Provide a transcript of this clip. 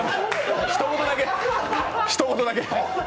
ひと言だけ、ひと言だけ。